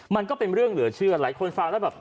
มันก็เป็นเรื่องเหลือเชื่อหลายคนฟังแล้วแบบ